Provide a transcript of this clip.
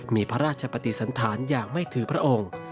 มีพระราชปฏิสันธารอย่างไม่ถือพระองค์